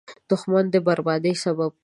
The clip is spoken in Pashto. دښمن د بربادۍ سبب وي